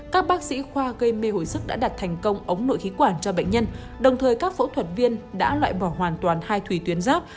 các phẫu thuật đã đặt thành công ống nội khí quản cho bệnh nhân đồng thời các phẫu thuật viên đã loại bỏ hoàn toàn hai thủy tuyến giáp